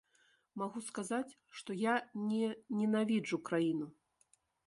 Магу сказаць, што я не ненавіджу краіну.